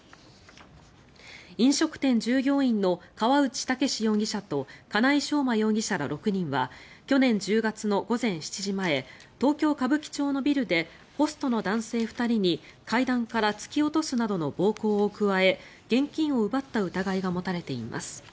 飲食店従業員の河内剛容疑者と金井将馬容疑者ら６人は去年１０月の午前７時前東京・歌舞伎町のビルでホストの男性２人に階段から突き落とすなどの暴行を加え現金を奪った疑いが持たれています。